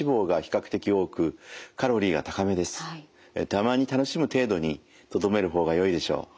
たまに楽しむ程度にとどめる方がよいでしょう。